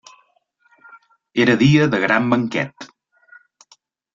Era dia de gran banquet.